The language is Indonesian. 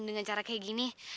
dengan cara kayak gini